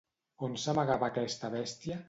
On s'amagava aquesta bèstia?